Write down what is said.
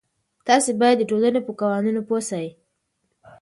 تاسې به د ټولنې په قوانینو پوه سئ.